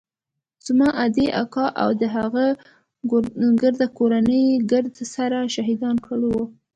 زما ادې اکا او د هغه ګرده کورنۍ يې ګرد سره شهيدان کړي وو.